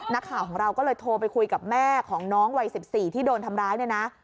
นักข่าวของเราก็เลยโทรไปคุยกับแม่ของน้องวัย๑๔ที่โดนทำร้ายเนี่ยนะ